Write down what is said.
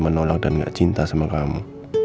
menolak dan gak cinta sama kamu